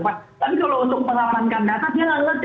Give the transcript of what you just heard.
tapi kalau untuk melamankan data dia nggak ngerti